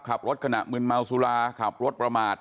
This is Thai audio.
ขับรถขณะมืนเมาสุราขับรถประมาท